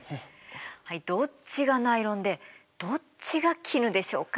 どっちがナイロンでどっちが絹でしょうか？